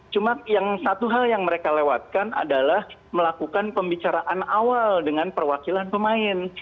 cuma yang satu hal yang mereka lewatkan adalah melakukan pembicaraan awal dengan perwakilan pemain